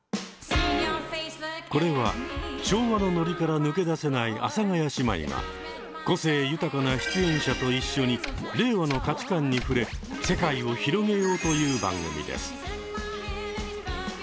これは昭和のノリから抜け出せない阿佐ヶ谷姉妹が個性豊かな出演者と一緒に令和の価値観に触れ世界を広げようという番組です。